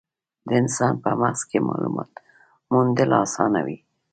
د انسان په مغز کې مالومات موندل اسانه وي.